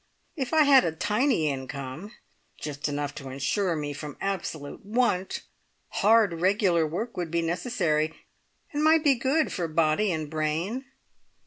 If I had a tiny income, just enough to ensure me from absolute want, hard regular work would be necessary, and might be good for body and brain.